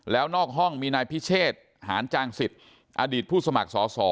แล้วนอกห้องมีนายพิเชษหานจางสิทธิ์อดีตผู้สมัครสอสอ